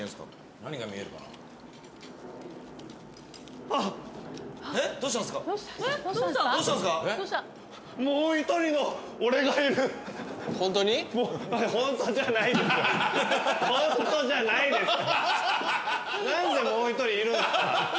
何でもう一人いるんすか。